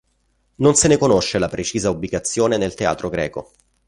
Non se ne conosce la precisa ubicazione nel teatro greco.